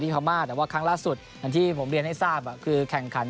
พม่าแต่ว่าครั้งล่าสุดอย่างที่ผมเรียนให้ทราบคือแข่งขัน